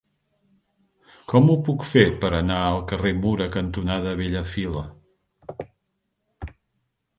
Com ho puc fer per anar al carrer Mura cantonada Bellafila?